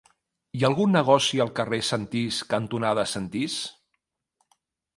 Hi ha algun negoci al carrer Sentís cantonada Sentís?